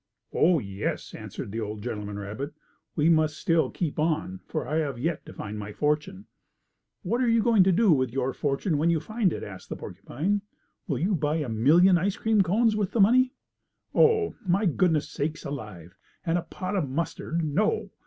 "Oh, yes," answered the old gentleman rabbit, "we must still keep on, for I have yet to find my fortune." "What are you going to do with your fortune when you find it?" asked the porcupine. "Will you buy a million ice cream cones with the money?" "Oh, my goodness sakes alive, and a pot of mustard, no!"